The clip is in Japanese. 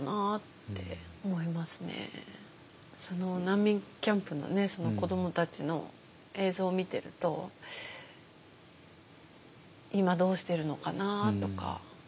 その難民キャンプのね子どもたちの映像を見てると今どうしてるのかな？とか。